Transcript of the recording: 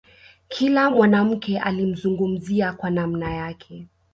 Kila mwanamke alimzungumzia kwa namna yake